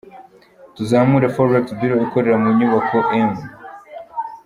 Tuzamurane Forex Bureau ikorera mu nyubako M.